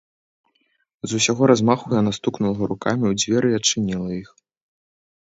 З усяго размаху яна стукнула рукамі ў дзверы і адчыніла іх.